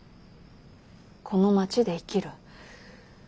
この町で生きる。